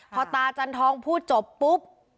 พอตาจันทองพูดจบปุ๊บ